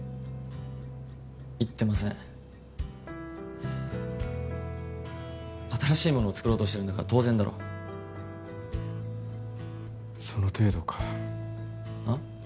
いってません新しいものを作ろうとしてるんだから当然だろその程度かあっ？